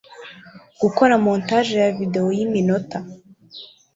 gukora montage ya videwo yiminota